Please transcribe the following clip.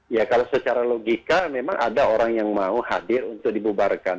ya kalau secara logika memang ada orang yang mau hadir untuk dibubarkan